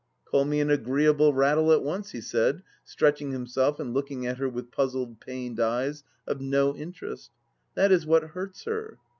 " Call me an agreeable rattle at once !" he said, stretching himself and lookiag at her with puzzled, pained eyes of no interest — ^that is what hurts her.